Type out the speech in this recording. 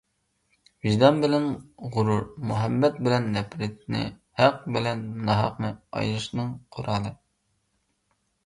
ۋىجدان بىلەن غۇرۇر، مۇھەببەت بىلەن نەپرەتنى، ھەق بىلەن ناھەقنى ئايرىشنىڭ قورالى.